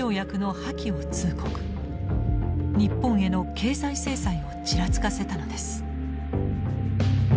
日本への経済制裁をちらつかせたのです。